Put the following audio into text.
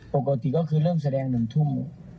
ปกติก็คือเริ่มแสดงหนึ่งทุ่ง